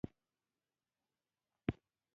عدنان زما د ورور زوی دی